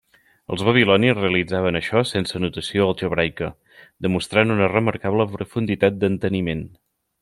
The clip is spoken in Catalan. Els babilonis realitzaven això sense notació algebraica, demostrant una remarcable profunditat d'enteniment.